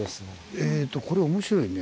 えとこれ面白いね。